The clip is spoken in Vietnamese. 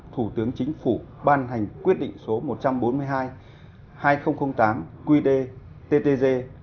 thủ tướng chính phủ ban hành quyết định số một trăm bốn mươi hai hai nghìn tám qd ttg